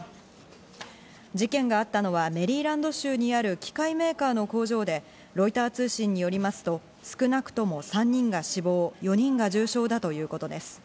事件があったのはメリーランド州にある機械メーカーの工場で、ロイター通信によりますと少なくとも３人が死亡、４人が重傷だということです。